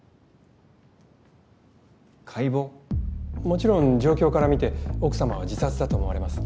もちろん状況から見て奥様は自殺だと思われます。